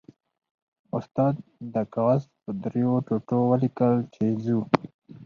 استاد د کاغذ په درې ټوټو ولیکل چې ځو.